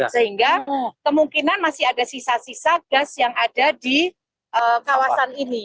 sehingga kemungkinan masih ada sisa sisa gas yang ada di kawasan ini